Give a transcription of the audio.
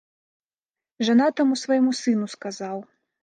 Жанатаму свайму сыну сказаў.